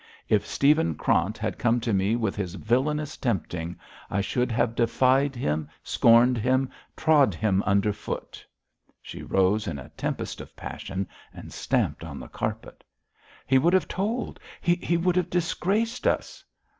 If Stephen Krant had come to me with his villainous tempting, I should have defied him, scorned him, trod him under foot.' She rose in a tempest of passion and stamped on the carpet. 'He would have told; he would have disgraced us.'